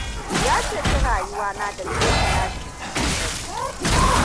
Ya ceci rayuwa na da jefa nashi cikin hatsari.